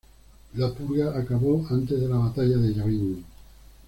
La purga acabó antes de la Batalla de Yavin.